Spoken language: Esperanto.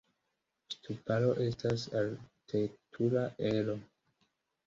Ŝtuparo estas arkitektura ero.